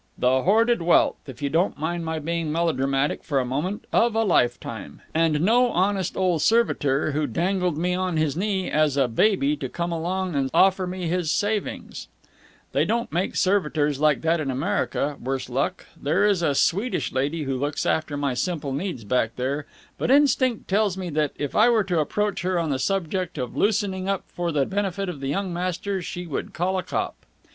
"The hoarded wealth, if you don't mind my being melodramatic for a moment, of a lifetime. And no honest old servitor who dangled me on his knee as a baby to come along and offer me his savings! They don't make servitors like that in America, worse luck. There is a Swedish lady who looks after my simple needs back there, but instinct tells me that, if I were to approach her on the subject of loosening up for the benefit of the young master, she would call a cop.